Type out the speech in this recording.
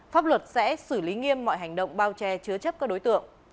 pháp luật sẽ xử lý nghiêm mọi hành động bao che chứa chấp các đối tượng